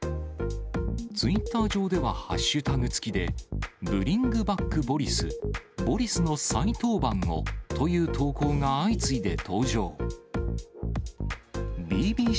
ツイッター上ではハッシュタグ付きで、ブリング・バック・ボリス、ボリスの再登板をという投稿が相次いで登場。